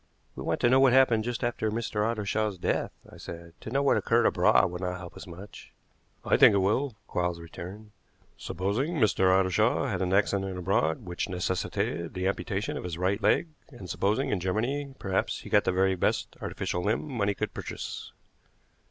"We want to know what happened just after Mr. Ottershaw's death," I said. "To know what occurred abroad will not help us much." "I think it will," Quarles returned. "Supposing Mr. Ottershaw had an accident abroad which necessitated the amputation of his right leg, and supposing, in Germany perhaps, he got the very best artificial limb money could purchase?"